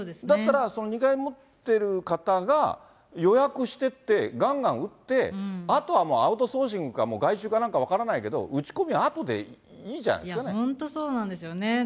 だったらその２回持ってる方が予約してって、がんがん打って、あとはもうアウトソーシングか外注かなんか分からないけど、打ち込みあとでいいじゃないですかね。